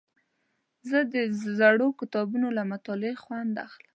زه د زړو کتابونو له مطالعې خوند اخلم.